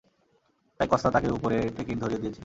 তাই কস্তা তাকে উপরের টিকেট ধরিয়ে দিয়েছে।